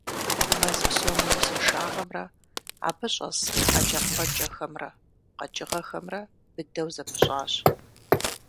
Мэз псом и узыншагъэмрэ абы щӏэс хьэкӏэкхъуэкӏэхэмрэ къэкӏыгъэхэмрэ быдэу зэпыщӀащ.